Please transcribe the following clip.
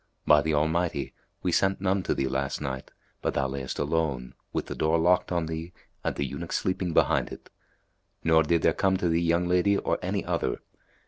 By the Almighty, we sent none to thee last night, but thou layest alone, with the door locked on thee and the eunuch sleeping behind it, nor did there come to thee young lady or any other.